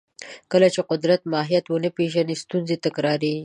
کله چې د قدرت ماهیت ونه پېژنو، ستونزې تکراریږي.